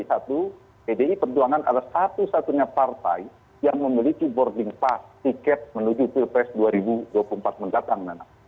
satu pdi perjuangan adalah satu satunya partai yang memiliki boarding pass tiket menuju pilpres dua ribu dua puluh empat mendatang nana